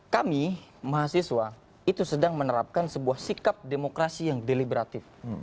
kami mahasiswa itu sedang menerapkan sebuah sikap demokrasi yang deliberatif